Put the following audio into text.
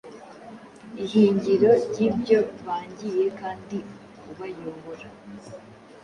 ihingiro ryibyo baangiye, kandi ubayobora